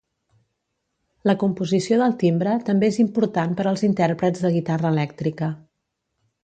La composició del timbre també és important per als intèrprets de guitarra elèctrica.